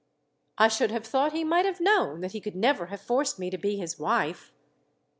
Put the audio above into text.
I should have thought he might have known that he could never have forced me to be his wife."